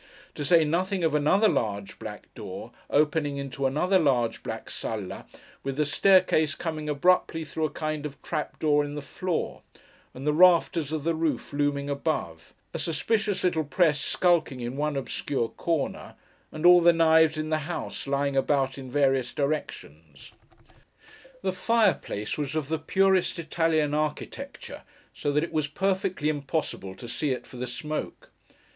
To say nothing of another large black door, opening into another large black sála, with the staircase coming abruptly through a kind of trap door in the floor, and the rafters of the roof looming above: a suspicious little press skulking in one obscure corner: and all the knives in the house lying about in various directions. The fireplace was of the purest Italian architecture, so that it was perfectly impossible to see it for the smoke.